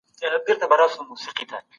درملنه باید پر وخت پیل شي.